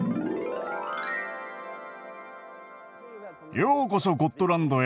ようこそゴットランドへ。